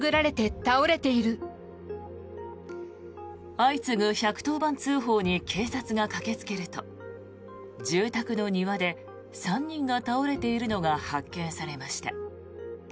相次ぐ１１０番通報に警察が駆けつけると住宅の庭で３人が倒れているのが発見されました。